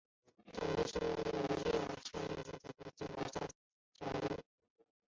而足总杯就一如已往与其他英超及英冠球会于第三圈才加入。